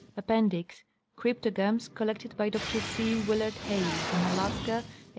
Appendix. CRYPTOGAMS COLLECTED BY DR C. WILLAED HAYES IN ALASKA, 1891.